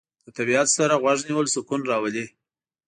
له طبیعت سره غوږ نیول سکون راولي.